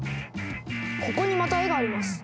ここにまた絵があります！